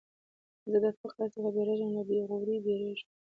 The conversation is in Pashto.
زه د فقر څخه بېرېږم، له بېغورۍ بېرېږم.